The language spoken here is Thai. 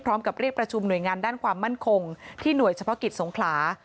เรียกประชุมหน่วยงานด้านความมั่นคงที่หน่วยเฉพาะกิจสงขลา